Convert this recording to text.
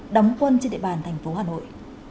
đóng quân trên địa bàn thành phố hà nội